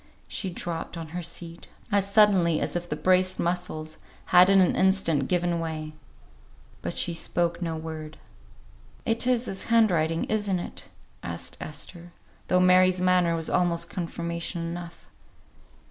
She dropped on her seat, as suddenly as if the braced muscles had in an instant given way. But she spoke no word. "It is his hand writing isn't it?" asked Esther, though Mary's manner was almost confirmation enough.